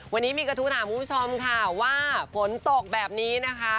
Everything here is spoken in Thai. วันนี้มีกระทู้ถามคุณผู้ชมค่ะว่าฝนตกแบบนี้นะคะ